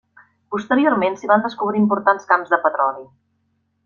Posteriorment s'hi van descobrir importants camps de petroli.